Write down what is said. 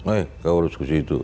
eh kamu harus ke situ